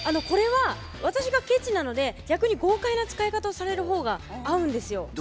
これは私がケチなので逆に豪快な使い方をされる方が合うんですよ。